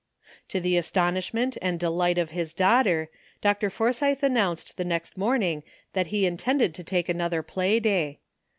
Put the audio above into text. To the astonishment and delight of his daugh ter. Dr. Forsythe announced the next morning that he intended to take another play day.